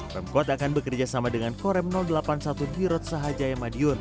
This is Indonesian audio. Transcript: pemkot akan bekerja sama dengan korem delapan puluh satu girot sahaja ya madiun